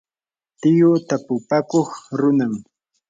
tiyuu tapupakuq runam.